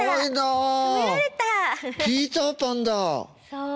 そう。